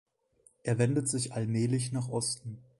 Er wendet sich allmählich nach Osten.